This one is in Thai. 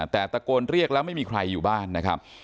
แต่ตะโกนเรียกแล้วไม่มีใครอยู่บ้านนะครับ